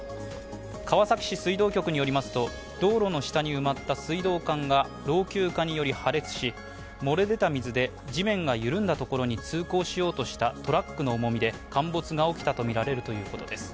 川崎市水道局によりますと道路の下に埋まった水道管が老朽化により破裂し漏れ出た水で地面が緩んだところに通行しようとしたトラックの重みで陥没が起きたとみられるということです。